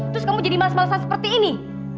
terus kamu jadi males malesan seperti ini